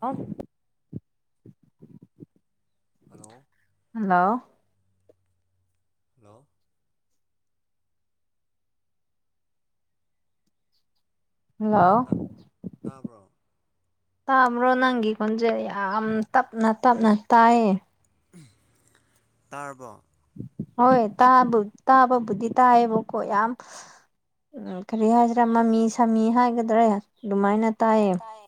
hello ꯑꯥꯁ hello hello hello hello ꯇꯥ ꯇꯥꯕ꯭ꯔꯣ ꯇꯥꯕ꯭ꯔꯣ ꯅꯪꯒꯤ ꯈꯣꯖꯦꯟ ꯌꯥꯝ ꯇꯞꯅ ꯇꯞꯅ ꯇꯥꯏꯌꯦ ꯇꯥꯔꯕꯣ ꯍꯣꯏ ꯇ ꯇꯥꯕ ꯕꯨꯗꯤ ꯇꯥꯏꯕꯀꯣ ꯌꯥꯝ ꯎꯝ ꯀꯔꯤ ꯍꯥꯏꯁꯤꯔꯥ ꯃꯃꯤ ꯁꯥꯃꯤ ꯍꯥꯏꯒꯗ꯭ꯔꯥ ꯑꯗꯨꯃꯥꯏꯅ ꯇꯥꯏꯌꯦ ꯅꯇꯥꯏ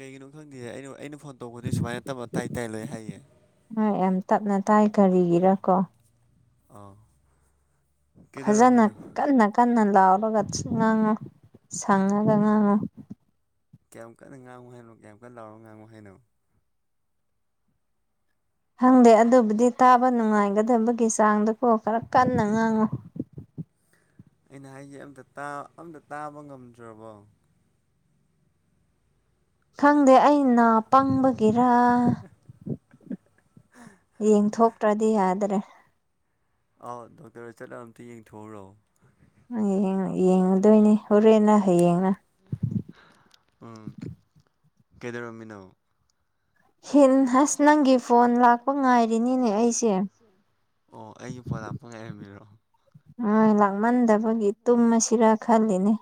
ꯀꯩꯒꯤꯅꯣ ꯈꯪꯗꯦ ꯑꯩꯅ ꯑꯩꯅ ꯐꯣꯟ ꯇꯧꯕꯗꯤ ꯁꯨꯃꯥꯏꯅ ꯇꯞꯅ ꯇꯥꯏ ꯇꯥꯏ ꯂꯣꯏ ꯍꯥꯏꯌꯦ ꯍꯣꯏ ꯌꯥꯝ ꯇꯞꯅ ꯇꯥꯏ ꯀꯔꯤꯒꯤꯔ ꯀꯣ ꯑꯥ ꯐꯖꯅ ꯀꯩꯗꯧꯔꯝꯃꯤꯅꯣ ꯀꯟꯅ ꯀꯟꯅ ꯂꯥꯎꯔꯒ ꯉꯥꯡꯉꯨ ꯁꯪꯉꯒ ꯉꯥꯡꯉꯨ ꯀ꯭ꯌꯥꯝ ꯀꯟꯅ ꯉꯥꯡꯉꯨ ꯍꯥꯏꯅꯣ ꯀ꯭ꯌꯥꯝ ꯀꯟꯅ ꯂꯥꯎꯔꯒ ꯉꯥꯡꯉꯨ ꯍꯥꯏꯅꯣ ꯈꯪꯗꯦ ꯑꯗꯨꯕꯨꯗꯤ ꯇꯥꯕ ꯅꯨꯡꯉꯥꯏꯒꯗꯕꯒꯤ ꯆꯥꯡꯗꯀꯣ ꯈꯔ ꯀꯟꯅ ꯉꯥꯡꯉꯨ ꯑꯩꯅ ꯍꯥꯏꯁꯦ ꯑꯝꯇ ꯇꯥ ꯑꯝꯇ ꯇꯥꯕ ꯉꯝꯗ꯭ꯔꯕꯣ ꯈꯪꯗꯦ ꯑꯩ ꯅꯥꯄꯪꯕꯒꯤꯔ ꯌꯦꯡꯊꯣꯛꯇ꯭ꯔꯗꯤ ꯌꯥꯗ꯭ꯔꯦ ꯑꯥꯎ ꯗꯣꯛꯇꯔ ꯆꯠꯂ ꯑꯝꯇ ꯌꯦꯡꯊꯣꯛꯎꯔꯣ ꯌꯦꯡꯉꯨꯗꯣꯏꯅꯦ ꯍꯣꯔꯦꯟꯔ ꯍꯌꯦꯡꯔ ꯎꯝ ꯀꯩꯗꯧꯔꯝꯃꯤꯅꯣ ꯍꯦꯟ ꯑꯁ ꯅꯪꯒꯤ ꯐꯣꯟ ꯂꯥꯛꯄ ꯉꯥꯏꯔꯤꯅꯤꯅꯦ ꯑꯩꯁꯦ ꯑꯣ ꯑꯩꯒꯤ ꯐꯣꯟ ꯂꯥꯛꯄ ꯉꯥꯏꯔꯝꯃꯤꯔꯣ ꯍꯣꯏ ꯂꯥꯛꯃꯟꯗꯕꯒꯤ ꯇꯨꯝꯃꯁꯤꯔꯥ ꯈꯜꯂꯤꯅꯦ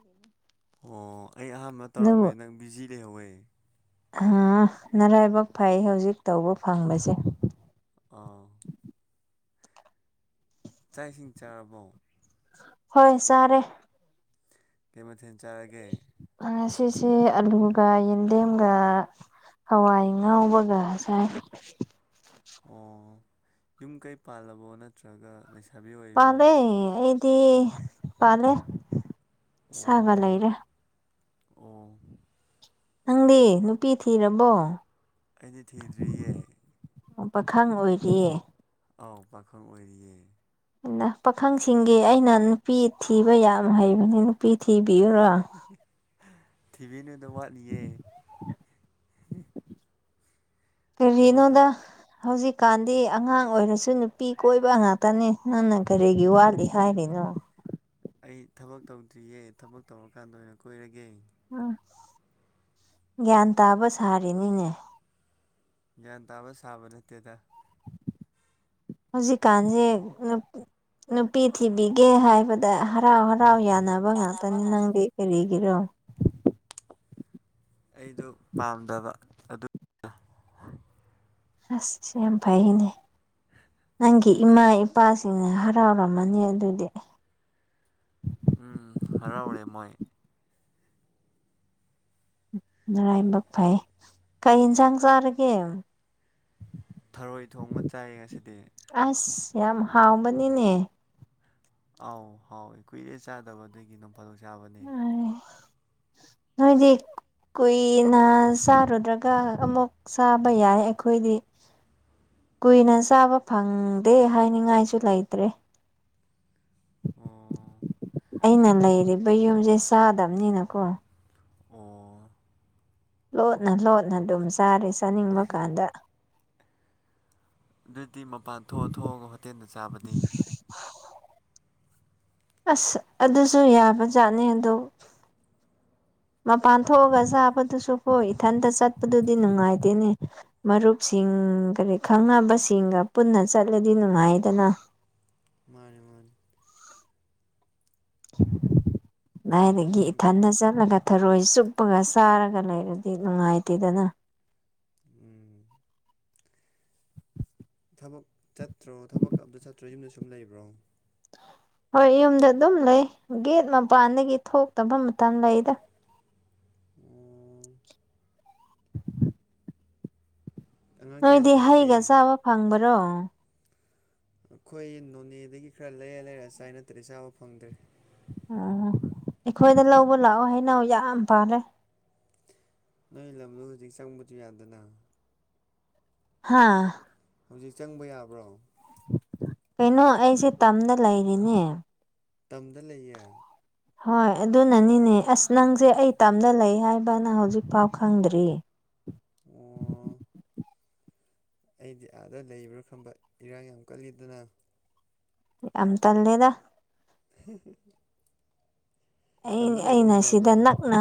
ꯑꯣ ꯑꯩ ꯑꯍꯥꯟꯕ ꯑꯗꯨꯕꯨ ꯇꯧꯔꯝꯃꯦ ꯅꯪ ꯕꯤꯖꯤ ꯂꯩꯍꯧꯋꯦ ꯑꯥ ꯃꯔꯥꯏꯕꯛ ꯐꯩ ꯍꯧꯖꯤꯛ ꯇꯧꯕ ꯐꯪꯕꯁꯦ ꯑꯥ ꯆꯥꯛ ꯏꯁꯤꯡ ꯆꯥꯔꯕꯣ ꯍꯣꯏ ꯆꯥꯔꯦ ꯀꯩ ꯃꯊꯦꯜ ꯆꯔꯒꯦ ꯉꯁꯤꯁꯦ ꯑꯂꯨꯒ ꯌꯦꯟꯗꯦꯝꯒ ꯍꯋꯥꯏ ꯉꯥꯎꯕꯒ ꯁꯥꯏ ꯑꯣ ꯌꯨꯝ ꯀꯩ ꯄꯥꯜꯂꯕꯣ ꯅꯠꯇ꯭ꯔꯒ ꯂꯩꯁꯥ ꯄꯂꯦ ꯑꯦꯗꯤ ꯄꯂꯦ ꯏꯆꯕ ꯑꯣ ꯂꯩꯔꯦ ꯑꯣ ꯅꯪꯗꯤ ꯅꯨꯄꯤ ꯊꯤꯔꯕꯣ ꯑꯩꯗꯤ ꯊꯤꯗ꯭ꯔꯤꯌꯦ ꯄꯥꯈꯪ ꯑꯣꯏꯔꯤꯌꯦ ꯑꯥꯎ ꯄꯈꯟ ꯑꯣꯏꯔꯤꯌꯦ ꯄꯥꯈꯪꯁꯤꯡꯒꯤ ꯑꯩꯅ ꯅꯨꯄꯤ ꯊꯤꯕ ꯌꯥꯝ ꯍꯩꯕꯅꯦ ꯅꯨꯄꯤ ꯊꯤꯕꯤꯌꯨꯔꯣ ꯇꯤꯚꯤ ꯅꯨꯗ ꯋꯥꯠꯂꯤꯌꯦ ꯊꯕꯛ ꯀꯔꯤꯅꯣꯗ ꯍꯧꯖꯤꯛꯀꯥꯟꯗꯤ ꯑꯉꯥꯡ ꯑꯣꯏꯔꯁꯨ ꯅꯨꯄꯤ ꯀꯣꯏꯕ ꯉꯥꯛꯇꯅꯤ ꯅꯪꯅ ꯀꯔꯤꯒꯤ ꯋꯥꯠꯂꯤ ꯍꯥꯏꯔꯤꯅꯣ ꯑꯩ ꯊꯕꯛ ꯇꯧꯗ꯭ꯔꯤꯌꯦ ꯊꯕꯛ ꯇꯧꯔꯀꯥꯟꯗ ꯑꯣꯏꯅ ꯀꯣꯏꯔꯒꯦ ꯎꯝ ꯒ꯭ꯌꯥꯟ ꯇꯥꯕ ꯁꯥꯔꯤꯅꯤꯅꯦ ꯒ꯭ꯌꯥꯟ ꯇꯥꯕ ꯁꯥꯕ ꯅꯠꯇꯦꯗ ꯍꯧꯖꯤꯛꯀꯥꯟꯁꯦ ꯅꯨꯄꯤ ꯊꯤꯕꯤꯒꯦ ꯍꯥꯏ ꯍꯥꯏꯕꯗ ꯍꯔꯥꯎ ꯍꯔꯥꯎ ꯌꯥꯅꯕ ꯉꯥꯛꯇꯅꯤ ꯅꯪꯗꯤ ꯀꯔꯤꯒꯤꯔꯣ ꯑꯩꯗꯣ ꯄꯥꯝꯗꯕ ꯑꯗꯨ ꯑꯁ ꯌꯥꯝꯐꯅꯦ ꯅꯪꯒꯤ ꯏꯃꯥ ꯏꯄꯥꯁꯤꯡꯅ ꯍꯔꯥꯎꯔꯝꯃꯅꯤ ꯑꯗꯨꯗꯤ ꯎꯝ ꯍꯔꯥꯎꯔꯦ ꯃꯣꯏ ꯃꯔꯔꯥꯏꯃꯛ ꯐꯩ ꯀꯩ ꯏꯟꯁꯥꯡ ꯆꯥꯔꯒꯦ ꯊꯔꯣꯏ ꯊꯣꯡꯕ ꯆꯥꯏ ꯉꯁꯤꯗꯤ ꯑꯁ ꯌꯥꯝ ꯍꯥꯎꯕꯅꯤꯅꯦ ꯑꯥꯎ ꯍꯥꯎꯏ ꯀꯨꯏꯔꯦ ꯆꯥꯗꯕꯗꯒꯤ ꯅꯣꯡ ꯐꯥꯗꯣꯛ ꯆꯥꯕꯅꯦ ꯅꯣꯢꯗꯤ ꯀꯨꯏꯅ ꯆꯥꯔꯨꯗ꯭ꯔꯒ ꯑꯃꯨꯛ ꯆꯥꯕ ꯌꯥꯏ ꯑꯩꯈꯣꯏꯗꯤ ꯀꯨꯏꯅ ꯆꯥꯕ ꯐꯪꯗꯦ ꯍꯥꯏꯅꯤꯡꯉꯥꯏꯁꯨ ꯂꯩꯇ꯭ꯔꯦ ꯑꯣ ꯑꯩꯅ ꯂꯩꯔꯤꯕ ꯌꯨꯝꯁꯦ ꯆꯥꯗꯕꯅꯤꯅꯀꯣ ꯑꯣ ꯂꯣꯠꯅ ꯂꯣꯠꯅ ꯑꯗꯨꯝ ꯆꯥꯔꯦ ꯆꯥꯅꯤꯡꯕ ꯀꯥꯟꯗ ꯑꯗꯨꯗꯤ ꯃꯄꯥꯟ ꯊꯣꯛꯑ ꯊꯣꯛꯑꯒ ꯍꯣꯇꯦꯜꯗ ꯆꯥꯕꯗꯤ [unintelligible] ꯑꯁ ꯑꯗꯨꯁꯨ ꯌꯥꯕꯖꯥꯠꯅꯤ ꯑꯗꯣ ꯃꯄꯥꯟ ꯊꯣꯛꯑꯒ ꯆꯥꯕꯗꯨꯁꯨ ꯀꯣ ꯏꯊꯟꯇ ꯆꯠꯄꯗꯨꯗꯤ ꯅꯨꯡꯉꯥꯏꯇꯦꯅꯦ ꯃꯔꯨꯞꯁꯤꯡ ꯀꯔꯤ ꯈꯪꯅꯕꯁꯤꯡꯒ ꯄꯨꯟꯅ ꯆꯠꯂꯗꯤ ꯅꯨꯡꯉꯥꯏꯗꯅ ꯃꯥꯅꯦ ꯃꯥꯅꯦ [unintelligible] ꯑꯗꯨꯏꯗꯒꯤ ꯎꯝ ꯏꯊꯟꯗ ꯆꯠꯂꯒ ꯊꯔꯣꯏ ꯆꯨꯞꯄꯒ ꯆꯥꯔꯒ ꯂꯩꯔꯗꯤ ꯅꯨꯡꯉꯥꯏꯇꯦꯗꯅ ꯎꯝ ꯊꯕꯛ ꯆꯠꯇ꯭ꯔꯣ ꯊꯕꯛ ꯑꯝꯇ ꯆꯠꯇ꯭ꯔꯣ ꯌꯨꯝꯗ ꯁꯨꯝ ꯂꯩꯕ꯭ꯔꯣ ꯍꯣꯏ ꯌꯨꯝꯗ ꯑꯗꯨꯝ ꯂꯩ ꯒꯦꯠ ꯃꯄꯥꯟꯗꯒꯤ ꯊꯣꯛꯇꯕ ꯃꯇꯝ ꯂꯩꯗ ꯎꯝ [inaudible] ꯑꯉꯥꯡ ꯀꯌꯥ ꯅꯣꯏꯗꯤ ꯍꯩꯒ ꯁꯨꯔꯒꯦ ꯆꯥꯕ ꯐꯪꯕ꯭ꯔꯣ ꯑꯩꯈꯣꯏ ꯅꯣꯅꯦꯗꯒꯤ ꯈꯔ ꯂꯩꯔ ꯂꯩꯔ ꯆꯥꯏ ꯅꯠꯇ꯭ꯔꯦ ꯆꯥꯕ ꯐꯪꯗ꯭ꯔꯦ ꯑꯣ ꯑꯩꯈꯣꯏꯗ ꯂꯧꯕ ꯂꯥꯛꯑꯣ ꯍꯩꯅꯧ ꯌꯥꯝ ꯄꯥꯜꯂꯦ ꯅꯣꯏ ꯂꯝꯗ ꯍꯧꯖꯤꯛ ꯆꯪꯕꯁꯨ ꯌꯥꯗꯅ ꯍꯥꯥ ꯍꯧꯖꯤꯛ ꯆꯪꯕ ꯌꯥꯕ꯭ꯔꯣ ꯀꯩꯅꯣ ꯑꯩꯁꯦ ꯇꯝꯅ ꯂꯩꯔꯤꯅꯦ ꯇꯝꯗ ꯂꯩꯌꯦ ꯍꯣꯏ ꯑꯗꯨꯅꯅꯤꯅꯦ ꯑꯁ ꯅꯪꯖ‌ꯦ ꯑꯩ ꯇꯥꯝꯗ ꯂꯩ ꯍꯥꯏꯕꯅ ꯍꯧꯖꯤꯛꯐꯥꯎ ꯈꯪꯗ꯭ꯔꯤ ꯑꯣ ꯑꯩꯗꯤ ꯑꯥꯗ ꯂꯩꯕ꯭ꯔꯥ ꯈꯪꯝꯕ ꯏꯔꯥꯡ ꯌꯥꯝ ꯀꯜꯂꯤꯗꯅ ꯌꯥꯝ ꯇꯜꯂ‌ꯦꯗ [unintelligible] ꯑꯩ ꯇꯝꯗ ꯂꯩꯕ ꯑꯩꯅ ꯁꯤꯗ ꯅꯨꯡꯉꯥꯏꯕ꯭ꯔꯣ ꯅꯛꯅ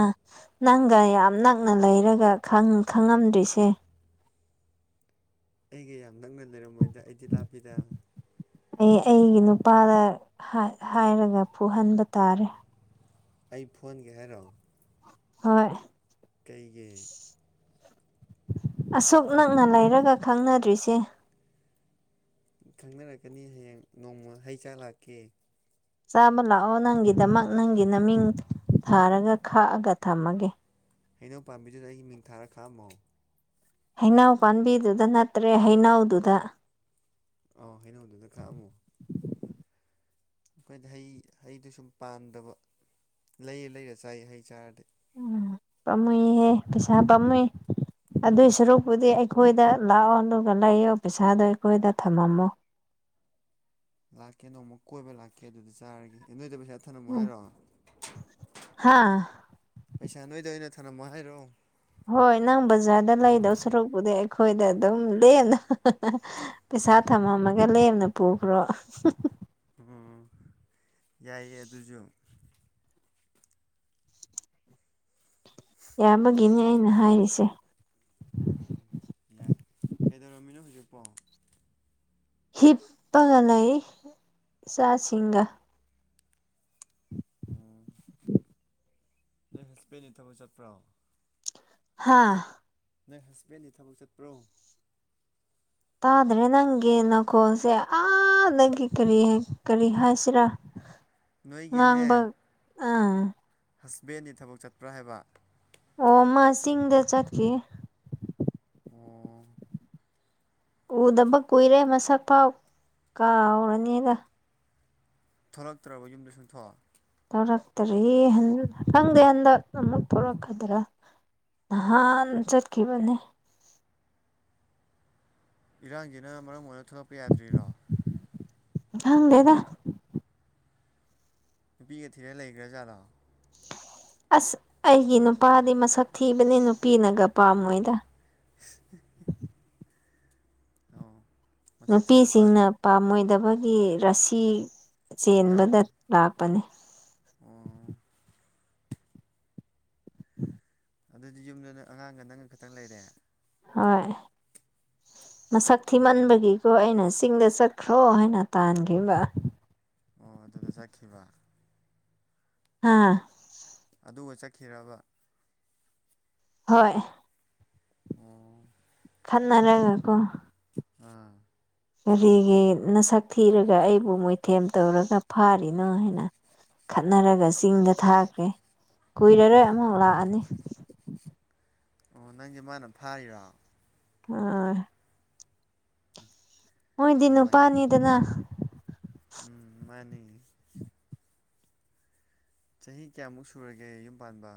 ꯅꯪꯒ ꯌꯥꯝ ꯅꯛꯅ ꯂꯩꯔꯒ ꯈꯪ ꯈꯪꯉꯝꯗ꯭ꯔꯤꯁꯦ ꯑꯩꯒ ꯌꯥꯝ ꯅꯛꯅ ꯂꯩꯔꯝꯃꯣꯏꯗ ꯑꯩꯗꯤ ꯂꯥꯞꯄꯤꯗ ꯑꯩ ꯑꯩꯒꯤ ꯅꯨꯄꯥꯗ ꯍꯥꯏ ꯍꯥꯏꯔꯒ ꯐꯨꯍꯟꯕ ꯇꯥꯔꯦ ꯑꯩ ꯐꯨꯍꯟꯒꯦ ꯍꯥꯏꯔ‌ꯣ ꯍꯣꯏ ꯀꯩꯒꯤ ꯑꯁꯨꯛ ꯅꯛꯅ ꯂꯩꯔꯒ ꯈꯪꯅꯗ꯭ꯔꯤꯁꯦ ꯈꯪꯅꯔꯛꯀꯅꯤ ꯍꯌꯦꯡ ꯅꯣꯡꯃ ꯍꯩ ꯆꯥ ꯂꯥꯛꯀꯦ ꯆꯥꯕ ꯂꯥꯛꯑꯣ ꯅꯪꯒꯤꯗꯃꯛ ꯅꯪꯒꯤ ꯃꯃꯤꯡ ꯊꯥꯔꯒ ꯈꯥꯛꯑꯒ ꯊꯝꯃꯒꯦ ꯍꯩꯅꯧ ꯄꯥꯝꯕꯤꯗꯨꯗ ꯑꯩꯒꯤ ꯃꯤꯡ ꯊꯥꯔ ꯈꯥꯝꯃꯣ ꯍꯩꯅꯧ ꯄꯥꯝꯕꯤꯗꯨꯗ ꯅꯠꯇ꯭ꯔꯦ ꯍꯩꯅꯧꯗꯨꯗ ꯑ‌ꯣ ꯍꯩꯅꯧꯗꯨꯅ ꯈꯥꯛꯑꯝꯃꯣ ꯑꯩꯈꯣꯏꯗꯤ ꯍꯩ ꯍꯩꯗꯤ ꯁꯨꯝ ꯄꯥꯝꯗꯕ ꯂꯩꯔ ꯂꯩꯔ ꯆꯥꯏ ꯍꯩ ꯆꯥꯔꯗꯤ ꯎꯝ ꯄꯥꯝꯃꯨꯏꯍꯦ ꯄꯩꯁꯥ ꯄꯥꯝꯃꯨꯏ ꯑꯗꯨꯏ ꯁꯔꯨꯛꯄꯨꯗꯤ ꯑꯩꯈꯣꯏꯗ ꯂꯥꯛꯑꯣ ꯑꯗꯨꯒ ꯂꯩꯌꯣ ꯄꯩꯁꯥꯗꯣ ꯑꯩꯈꯣꯏꯗ ꯊꯝꯃꯝꯃꯣ ꯂꯥꯛꯀꯦ ꯅꯣꯡꯃ ꯀꯣꯏꯕ ꯂꯥꯛꯀꯦ ꯑꯗꯨꯗꯤ ꯆꯥꯔꯒꯦ ꯅꯣꯏꯗ ꯄꯩꯁꯥ ꯊꯝꯅꯝꯃꯣ ꯍꯥꯏꯔꯣ ꯍꯥ ꯄꯩꯁꯥ ꯅꯣꯏꯗ ꯑꯣꯏꯅ ꯊꯝꯅꯝꯃꯣ ꯍꯥꯏꯔꯣ ꯍꯣꯏ ꯅꯪ ꯕꯖꯥꯔꯗ ꯂꯩꯗꯧ ꯁꯔꯨꯛꯄꯨꯗꯤ ꯑꯩꯈꯣꯏꯗ ꯑꯗꯨꯝ ꯂꯦꯟꯅ [unintelligible] ꯄꯩꯁꯥ ꯊꯝꯃꯝꯃꯒ ꯂꯦꯝꯅ ꯄꯨꯈ꯭ꯔꯣ ꯑꯣ ꯌꯥꯏꯌꯦ ꯑꯗꯨꯖꯨ ꯌꯥꯕꯒꯤꯅꯦ ꯑꯩꯅ ꯍꯥꯏꯔꯤꯁꯦ ꯎꯝ ꯌꯥꯏ ꯀꯩꯗꯧꯔꯝꯃꯤꯅꯣ ꯍꯧꯖꯤꯛꯄꯣ ꯍꯤꯞꯄꯒ ꯂꯩ ꯏꯆꯥꯁꯤꯡꯒ [inaudible] ꯎꯝ ꯅꯪ ꯍꯁꯕ‌ꯦꯟꯗꯤ ꯊꯕꯛ ꯆꯠꯄ꯭ꯔꯣ ꯍꯥꯥ ꯅꯣꯏ ꯍꯁꯕꯦꯟꯗꯤ ꯊꯕꯛ ꯆꯠꯄ꯭ꯔꯣ ꯇꯥꯗ꯭ꯔꯦ ꯅꯪꯒꯤ ꯅꯈꯣꯜꯁꯦ ꯑꯥꯗꯒꯤ ꯀꯔꯤ ꯀꯔꯤ ꯍꯥꯏꯁꯤꯔꯥ ꯅꯣꯏꯒꯤꯅꯦ ꯉꯥꯡꯕ ꯑꯥ ꯍꯁꯕꯦꯟꯗꯤ ꯊꯕꯛ ꯆꯠꯄ꯭ꯔꯥ ꯍꯥꯏꯕ ꯑꯣ ꯃꯥ ꯆꯤꯡ ꯗ ꯆꯠꯈꯤꯌ‌ꯦ ꯑꯣ ꯎꯗꯕ ꯀꯨꯏꯔꯦ ꯃꯁꯛ ꯐꯥꯎ ꯀꯥꯎꯔꯅꯤꯗ ꯊꯣꯛꯔꯛꯇ꯭ꯔꯕ‌ꯣ ꯌꯨꯝꯗ ꯁꯨꯡꯊꯣꯛ ꯇꯧꯔꯛꯇꯔꯤ ꯈꯪꯗꯦ ꯍꯟ ꯍꯟꯗꯛ ꯑꯃꯨꯛ ꯊꯧꯔꯛꯀꯗ꯭ꯔꯥ ꯅꯍꯥꯟ ꯆꯠꯈꯤꯕꯅꯦ ꯏꯔꯥꯡꯖꯤꯅ ꯃꯔꯝ ꯑꯣꯏꯔ ꯊꯣꯛꯂꯛꯄ ꯌꯥꯗ꯭ꯔꯤꯔꯣ ꯈꯪꯗꯦꯗ ꯅꯨꯄꯤꯒ ꯊꯤꯔ ꯂꯩꯈ꯭ꯔꯥꯖꯥꯠꯂꯣ ꯑꯁ ꯑꯩꯒꯤ ꯅꯨꯄꯥꯗꯤ ꯃꯁꯛ ꯊꯤꯕꯅꯦ ꯅꯨꯄꯤꯅꯒ ꯄꯥꯝꯃꯣꯏꯗ [unintelligible] ꯑꯣ ꯃꯁꯛ ꯊꯤꯕ ꯅꯨꯄꯥꯗꯨ ꯅꯨꯄꯤꯁꯤꯡꯅ ꯄꯥꯝꯃꯣꯏꯗꯕꯒꯤ ꯔꯁꯤ ꯆꯦꯟꯕꯗ ꯌꯥꯎꯗꯦ ꯂꯥꯛꯄꯅꯤ ꯑꯣ ꯑꯗꯨꯗꯤ ꯌꯨꯝꯗ ꯅꯪ ꯑꯉꯥꯡꯒ ꯅꯪꯒ ꯈꯛꯇꯪ ꯂꯩꯔꯦ ꯍꯣꯏ ꯃꯁꯛ ꯊꯤꯃꯟꯕꯒꯤ ꯑꯣ ꯑꯩꯅ ꯆꯤꯡꯗ ꯆꯠꯈ꯭ꯔꯣ ꯍꯥꯏꯅ ꯇꯥꯟꯒꯤꯕ ꯑꯣ ꯑꯗꯨꯗ ꯆꯠꯈꯤꯕ ꯍꯥꯥ ꯑꯗꯨꯒ ꯆꯠꯈꯤꯔꯕ ꯍꯣꯏ ꯑꯣ ꯈꯟꯅꯔꯒ ꯀꯣ ꯑꯥ ꯀꯔꯤꯒꯤ ꯅꯁꯛ ꯊꯤꯔꯒ ꯑꯩꯕꯨ ꯃꯣꯏꯊꯦꯝ ꯇꯧꯔꯒ ꯐꯥꯔꯤꯅꯣ ꯍꯥꯏꯅ ꯈꯠꯅꯔꯒ ꯆꯤꯡꯗ ꯊꯥꯈ꯭ꯔꯦ ꯀꯨꯏꯔꯔꯣꯏ ꯑꯃꯨꯛ ꯂꯥꯛꯑꯅꯤ ꯑꯣ ꯅꯪꯁꯦ ꯃꯥꯅ ꯐꯥꯔꯤꯔꯣ ꯑꯥ ꯎꯝ ꯃꯣꯏꯗꯤ ꯅꯨꯄꯅꯤꯗꯅ ꯎꯝ ꯃꯥꯅꯤ ꯆꯍꯤ ꯀꯌꯥꯃꯨꯛ ꯁꯨꯔꯒꯦ ꯌꯨꯝ ꯄꯥꯟꯕ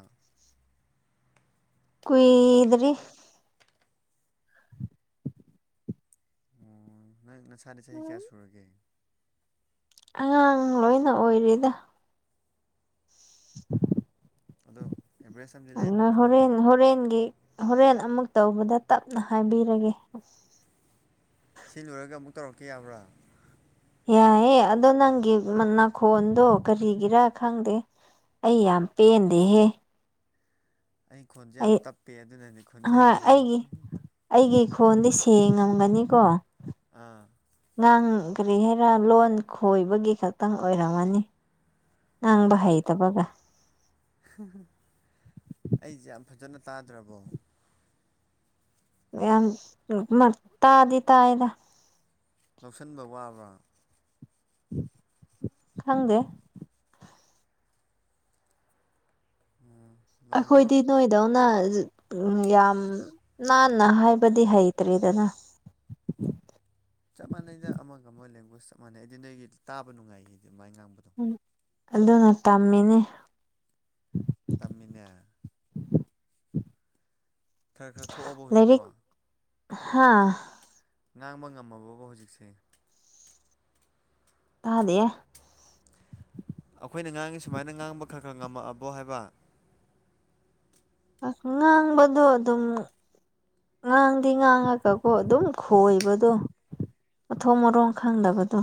ꯀꯨꯏꯗ꯭ꯔꯤ ꯑꯣ ꯅꯪ ꯅꯁꯥꯗꯤ ꯆꯍꯤ ꯀꯌꯥ ꯁꯨꯔꯒꯦ ꯑꯉꯥꯡ ꯂꯣꯏꯅ ꯑꯣꯏꯔꯤꯗ [inaudible] ꯑꯗꯣ ꯑꯦꯕ꯭ꯔꯁꯟ ꯑꯗꯨ ꯍꯣꯔꯦꯟ ꯍꯣꯔꯦꯟꯒꯤ ꯍꯣꯔꯦꯟ ꯑꯃꯨꯛ ꯇꯧꯕꯗ ꯇꯞꯅ ꯍꯥꯏꯕꯤꯔꯒꯦ ꯁꯤ ꯂꯣꯏꯔꯒ ꯑꯃꯨꯛ ꯇꯧꯔꯛꯀꯦ ꯌꯥꯕ꯭ꯔꯥ ꯌꯥꯏꯑꯦ ꯑꯗꯣ ꯅꯪꯒꯤ ꯅꯥꯈꯣꯟꯗꯣ ꯀꯔꯤꯒꯤꯔ ꯈꯪꯗꯦ ꯑꯩ ꯌꯥꯝ ꯄꯦꯟꯗꯦꯍꯦ ꯑꯩ ꯈꯣꯟꯁꯦ ꯌꯥꯝ ꯑꯩ ꯇꯞꯄꯦ ꯑꯗꯨꯅꯅꯦ ꯍꯣꯏ ꯈꯣꯟꯖꯦꯜꯁꯦ ꯑꯩꯒꯤ ꯑꯩꯒꯤ ꯈꯣꯟꯗꯤ ꯁꯦꯡꯉꯝꯒꯅꯤꯀꯣ ꯑꯥ ꯅꯪ ꯀꯔꯤ ꯍꯥꯏꯔꯥ ꯂꯣꯟ ꯈꯣꯏꯕꯒꯤ ꯈꯛꯇꯪ ꯑꯣꯏꯔꯝꯃꯅꯤ ꯉꯥꯡꯕ ꯑꯥ ꯍꯩꯇꯕꯒ [unintelligible] ꯑꯩꯁꯦ ꯌꯥꯝ ꯐꯖꯅ ꯇꯥꯗ꯭ꯔꯕꯣ ꯌꯥꯝ ꯃꯔ ꯇꯗꯤ ꯇꯏꯗ ꯂꯧꯁꯟꯕ ꯋꯥꯕ ꯈꯪꯗꯦ ꯎꯝ ꯂꯪꯒꯣ ꯑꯩꯈꯣꯏꯗꯤ ꯅꯣꯏꯗꯧꯅ ꯌꯥꯝ ꯅꯥꯟꯅ ꯍꯥꯏꯕꯗꯤ ꯍꯩꯇ꯭ꯔꯤꯗꯅ ꯆꯞ ꯃꯥꯟꯅꯩꯗ ꯑꯃꯒ ꯑꯃꯒ ꯂꯦꯡꯒ꯭ꯋꯦꯁ ꯆꯞ ꯃꯥꯟꯅꯩ ꯑꯩꯗꯤ ꯅꯣꯏꯒꯤ ꯇꯥꯕ ꯅꯨꯡꯉꯥꯏꯈꯤꯗꯤ ꯃꯥꯏꯅ ꯉꯥꯡꯕꯗꯣ ꯑꯗꯨꯅ ꯇꯝꯃꯤꯅꯦ ꯇꯝꯃꯤꯅꯦ ꯈꯔ ꯈꯔ ꯊꯣꯛꯑꯕꯣ ꯍꯧꯖꯤꯛꯄꯣ ꯍꯥꯥ ꯉꯥꯡꯃ ꯉꯝꯃꯕꯕ ꯍꯧꯖꯤꯛꯁꯦ ꯇꯥꯗꯦ ꯑꯈꯣꯏꯅ ꯉꯥꯡꯉꯤ ꯁꯨꯃꯥꯏꯅ ꯉꯥꯡꯕ ꯈꯔ ꯈꯔ ꯉꯝꯃꯛꯑꯕꯣ ꯍꯥꯏꯕ ꯉꯡꯥꯡꯕꯗꯨꯣ ꯑꯗꯨꯝ ꯉꯥꯡꯗꯤ ꯉꯥꯡꯉꯒꯀꯣ ꯑꯗꯨꯝ ꯈꯣꯏꯕꯗꯣ ꯃꯊꯣꯡ ꯃꯔꯣꯡ ꯈꯪꯗꯕꯗꯣ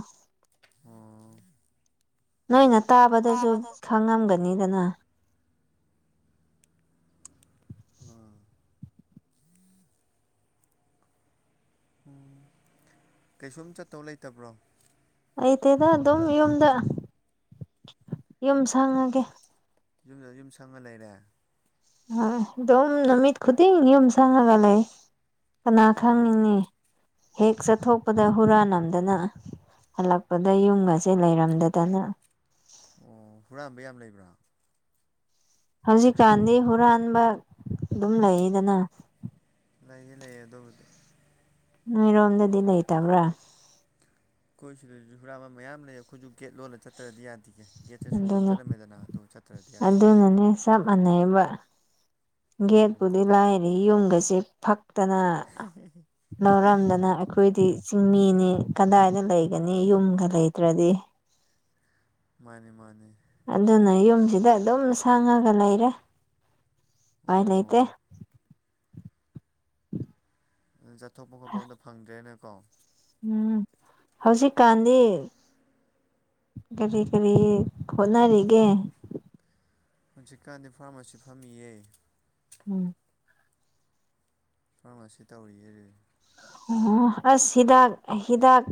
ꯑꯣ ꯅꯣꯏꯅ ꯇꯥꯕꯗꯖꯨ ꯈꯪꯉꯝꯒꯅꯤꯗꯅ ꯑꯥ ꯎꯝ ꯀꯩꯁꯨꯝ ꯆꯠꯇꯧ ꯂꯩꯇꯕ꯭ꯔꯣ ꯂꯩꯇꯩꯗ ꯑꯗꯨꯝ ꯌꯨꯝꯗ ꯌꯨꯝ ꯁꯪꯉꯒꯦ ꯌꯨꯝꯗ ꯌꯨꯝ ꯁꯪꯉ ꯂꯩꯔꯦ ꯑꯗꯨꯝ ꯅꯨꯃꯤꯠ ꯈꯨꯗꯤꯡ ꯌꯨꯝ ꯁꯪꯉꯒ ꯂꯩ ꯀꯅꯥ ꯑꯣ ꯈꯪꯉꯤꯅꯤ ꯍꯦꯛ ꯆꯠꯊꯣꯛꯄꯗ ꯍꯨꯔꯥꯟ ꯅꯝꯗꯅ ꯍꯜꯂꯛꯄꯗ ꯌꯨꯝ ꯒꯁꯦ ꯂꯩꯔꯝꯗꯗꯅ ꯑꯣ ꯍꯨꯔꯥꯟꯕ ꯌꯥꯝ ꯂꯩꯕ꯭ꯔꯥ ꯍꯧꯖꯤꯛꯀꯥꯟꯗꯤ ꯍꯨꯔꯥꯟꯕ ꯑꯗꯨꯝ ꯂꯩꯌꯦꯗꯅ ꯂꯩꯌꯦ ꯂꯩꯌꯦ ꯑꯗꯨꯕꯨꯗꯤ ꯅꯣꯏꯔꯣꯝꯗꯗꯤꯗ ꯂꯩꯇꯕ꯭ꯔꯥ ꯑꯩꯈꯣꯏ ꯁꯤꯗꯁꯨ ꯍꯨꯔꯥꯥꯟꯕ ꯃꯌꯥꯝ ꯂꯩ ꯑꯩꯈꯣꯏꯖꯨ ꯒꯦꯠ ꯂꯣꯜꯂ ꯆꯠꯇ꯭ꯔꯗꯤ ꯌꯥꯗ꯭ꯌꯦ ꯒꯦꯠꯁꯦ ꯁꯣ ꯑꯗꯨꯅꯤ ꯂꯣꯟꯖꯜꯂꯝꯃꯦꯗꯅ ꯑꯗꯨꯒ ꯆꯠꯇ꯭ꯔꯗꯤ ꯌꯥꯗꯦ ꯑꯗꯨꯅꯅꯦ ꯆꯞ ꯃꯥꯟꯅꯩꯌꯦꯕ ꯒꯦꯠꯄꯨꯗꯤ ꯂꯥꯏꯔꯤ ꯌꯨꯝꯒꯁꯦ ꯐꯛ ꯇꯅ ꯂꯧꯔꯝꯗꯅ ꯑꯩꯈꯣꯏꯗꯤ ꯆꯤꯡꯃꯤꯅꯤ ꯀꯗꯥꯏꯗ ꯂꯩꯒꯅꯤ ꯌꯨꯝꯒ ꯂꯩꯇ꯭ꯔꯗꯤ ꯃꯥꯅꯤ ꯃꯥꯅꯤ ꯑꯗꯨꯅ ꯌꯨꯝꯁꯤꯗ ꯑꯗꯨꯝ ꯁꯪꯉꯒ ꯂꯩꯔꯦ ꯎꯄꯥꯏ ꯂꯩꯇꯦ ꯑꯣ ꯑꯗꯨ ꯆꯠꯊꯣꯛꯄ ꯈꯣꯠꯄ ꯑꯝꯇ ꯐꯪꯗ꯭ꯔꯦꯅꯦꯀꯣ ꯎꯝ ꯍꯧꯖꯤꯛꯀꯥꯟꯗꯤ ꯀꯔꯤ ꯀꯔꯤ ꯍꯣꯠꯅꯔꯤꯒꯦ ꯍꯧꯖꯤꯛꯀꯥꯟꯗꯤ ꯐꯥꯔꯃꯥꯁꯤ ꯐꯝꯃꯤꯌꯦ ꯎꯝ ꯐꯥꯔꯃꯥꯁꯤ ꯇꯧꯔꯤꯌꯦ ꯑꯣ ꯑꯁ ꯍꯤꯗꯥꯛ ꯍꯤꯗꯥꯛ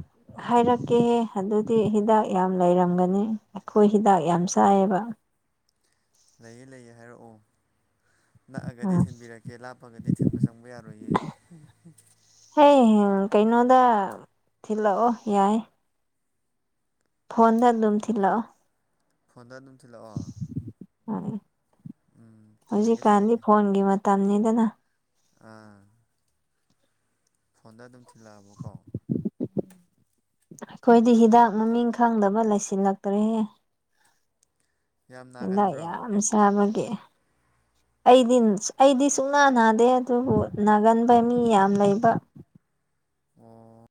ꯍꯥꯏꯔꯛꯀꯦꯍꯦ ꯑꯗꯨꯗꯤ ꯍꯤꯗꯥꯛ ꯌꯥꯝ ꯂꯩꯔꯝꯒꯅꯤ ꯑꯩꯈꯣꯏ ꯍꯤꯗꯥꯛ ꯌꯥꯝ ꯆꯥꯏꯌꯦꯕ ꯂꯩꯌꯦ ꯂꯩꯌꯦ ꯍꯥꯏꯔꯛꯑꯣ ꯅꯛꯑꯒꯗꯤ ꯎꯝ ꯊꯤꯟꯕꯤꯔꯛꯀꯦ ꯂꯥꯞꯄꯒꯗꯤ ꯊꯤꯟꯕ ꯆꯪꯕ ꯌꯥꯔꯣꯏꯌꯦ [unintelligible] ꯀꯩꯅꯣꯗ ꯊꯤꯜꯂꯛꯑꯣ ꯌꯥꯏ ꯐꯣꯟꯗ ꯑꯗꯨꯝ ꯊꯤꯜꯂꯛꯑꯣ ꯐꯣꯟꯗ ꯑꯗꯨꯝ ꯊꯤꯜꯂꯛꯑꯣ ꯍꯣꯏ ꯎꯝ ꯊꯤꯜꯂꯛꯀꯦ ꯍꯧꯖꯤꯛꯀꯥꯟꯗꯤ ꯊꯤꯜꯂꯛꯀꯦ ꯐꯣꯟꯒꯤ ꯃꯇꯝꯅꯤꯗꯅ ꯑꯥ ꯐꯣꯟꯗ ꯑꯗꯨꯝ ꯊꯤꯜꯂꯛꯑꯕꯀꯣ ꯑꯩꯈꯣꯏꯗꯤ ꯍꯤꯗꯥꯛ ꯃꯃꯤꯡ ꯈꯪꯗꯕ ꯂꯩꯁꯤꯜꯂꯛꯇ꯭ꯔꯦꯍꯦ ꯌꯥꯝ ꯍꯤꯗꯥꯛ ꯅꯥꯒꯟꯕ꯭ꯔꯣ ꯌꯥꯝ ꯆꯥꯕꯒꯤ ꯑꯩꯗꯤ ꯑꯩꯗꯤ ꯁꯨꯡꯅꯥ ꯅꯥꯗꯦ ꯑꯗꯨꯕꯨ ꯅꯥꯒꯟꯕ ꯃꯤ ꯌꯥꯝ ꯂꯩꯕ ꯑꯣ